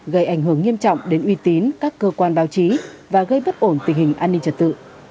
gây ảnh hưởng nghiêm trọng đến uy tín các cơ quan báo chí và gây bất ổn tình hình an ninh trật tự